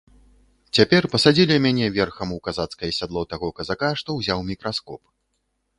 Цяпер пасадзілі мяне верхам у казацкае сядло таго казака, што ўзяў мікраскоп.